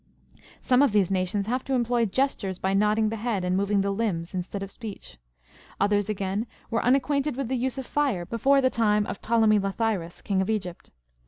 Some of these nations have to employ gestures by nodding the head and moving the limbs, instead of speech. Others again were imacquainted with the use of fire be fore the time' of Ptolemy Lathyrus, king of Egypt.